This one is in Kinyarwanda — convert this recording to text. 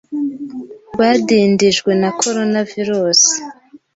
rwadindijwe na Coronavirus